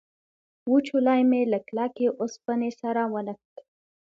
وچولی مې له کلکې اوسپنې سره ونښت.